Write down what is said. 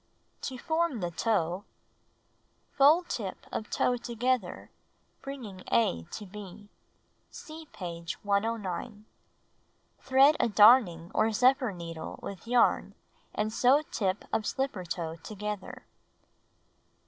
To Form the Toe Fold tip of toe together, bringing A to B. (See page 109.) Thread a darning or zephyr needle with yarn and sew tip of slipper toe together.